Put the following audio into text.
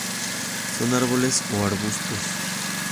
Son árboles o arbustos.